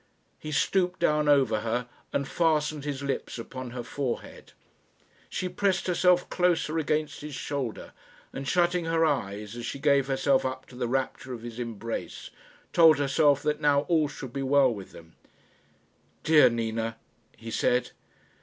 He stooped down over her, and fastened his lips upon her forehead. She pressed herself closer against his shoulder, and shutting her eyes, as she gave herself up to the rapture of his embrace, told herself that now all should be well with them. "Dear Nina," he said.